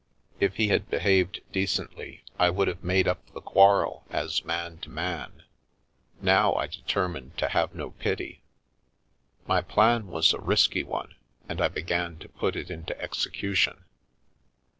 If he had behaved decently I would have made up the quarrel as man to man, now I determined to have no pity. My plan was a risky one, and I began to put it into execution.